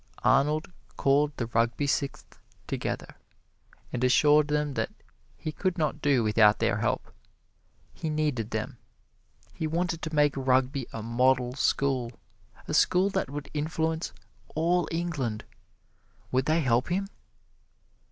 Arnold called the Rugby Sixth together and assured them that he could not do without their help. He needed them: he wanted to make Rugby a model school, a school that would influence all England would they help him?